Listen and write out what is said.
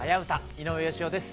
井上芳雄です。